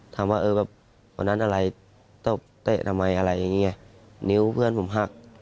ถามว่าเออแบบวันนั้นอะไรตบเตะทำไมอะไรอย่างนี้ไงนิ้วเพื่อนผมหัก